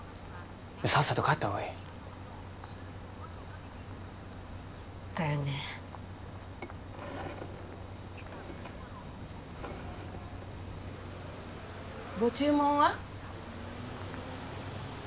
さっさと帰った方がいいだよねご注文は？